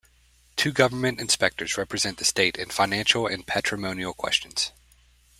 Two government inspectors represent the State in financial and patrimonial questions.